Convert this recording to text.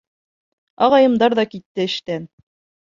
Атайымдар ҙа китте эштән...